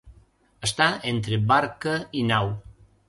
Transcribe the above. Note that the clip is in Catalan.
Estar entre barca i nau.